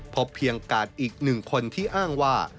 พบเพียงกาดอีกหนึ่งคนที่อ้างว่า